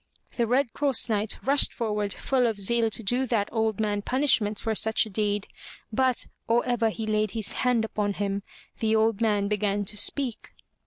The Red Cross Knight rushed forward full of zeal to do that old man punishment for such a deed, but, or ever he laid his hand upon him, the old man began to speak.